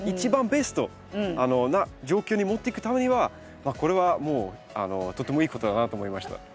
ベストな状況に持っていくためにはこれはもうとてもいいことだなと思いました。